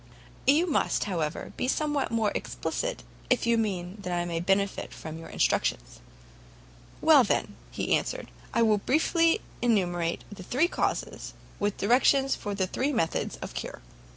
"You must, however, be somewhat more explicit, if you mean that I should benefit from your instructions." "Well, then," he answered, "I will briefly enumerate the three causes, with directions for the three methods of cure.